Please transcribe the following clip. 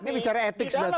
ini bicara etik berarti